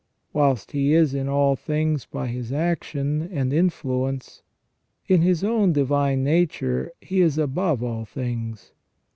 Whilst He is in all things by His action and influence, in His own divine nature He is above all things.